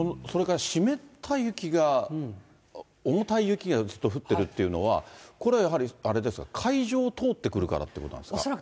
それから湿った雪が、重たい雪がずっと降ってるっていうのは、これはやはりあれですか、海上を通ってくるからということなんですか。